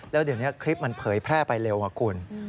แล้วเดี๋ยวนี้คลิปมันเผยแพร่ไปเร็วอะคุณ